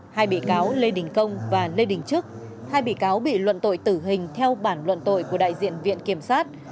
hai bị cáo lê đình công và lê đình trức hai bị cáo bị luận tội tử hình theo bản luận tội của đại diện viện kiểm sát